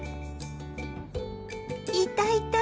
いたいた！